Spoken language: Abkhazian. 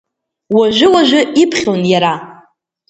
Уажәы-уажәы иԥхьон иара.